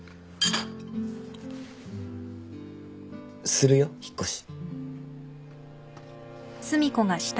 するよ引っ越し。